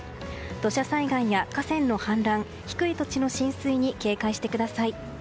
土砂災害や河川の氾濫低い土地の浸水に警戒してください。